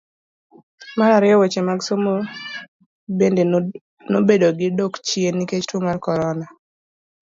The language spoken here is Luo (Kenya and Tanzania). Mar ariyo, weche mag somo bende nobedo gi dok chien nikech tuo mar korona.